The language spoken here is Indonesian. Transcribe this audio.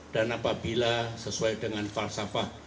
dan apabila sesuai dengan falsafah